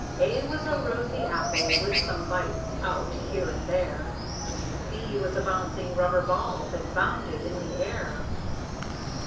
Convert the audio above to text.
A was a rosy Apple, with some bites out, here and there; B was a bouncing rubber Ball that bounded in the air.